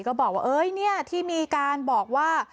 ก็บอกว่าเอ๊ะเนี่ยที่มีการบอกว่า